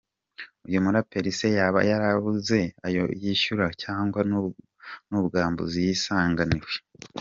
Uyu muraperi se yaba yarabuze ayo yishyura cyangwa n’ubwambuzi yisanganiwe!.